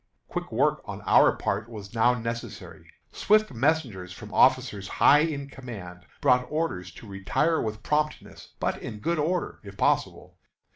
Quick work on our part was now necessary. Swift messengers from officers high in command brought orders to retire with promptness, but in good order, if possible.